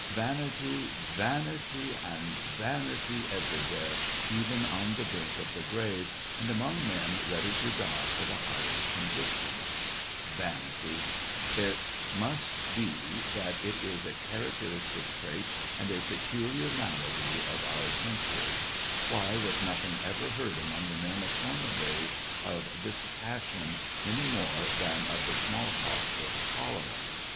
Vanity ! vanity ! and vanity everywhere, even on the brink of the grave, and among men ready to die for the highest convictions. Vanity ! It must 48 SEVASTOPOL IN MAY, be that it is a characteristic trait, and a peculiar malady of our century. Why was nothing ever heard among the men of former days, of this pas sion, any more than of the small pox or the cholera